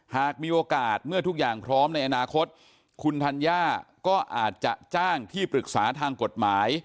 หากมีโอกาสเมื่อทุกอย่างพร้อมในอนาคตคุณธัญญาก็อาจจะจ้างที่ปรึกษาทางกฎหมาย